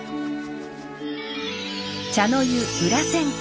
「茶の湯裏千家」。